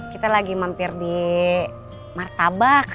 kita lagi mampir di martabak